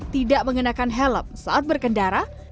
tidak mengenakan helm saat berkendara